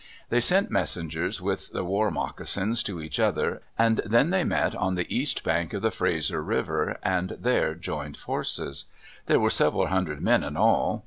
They sent messengers with the war moccasin to each other, and then they met on the east bank of the Fraser River and there joined forces. There were several hundred men in all.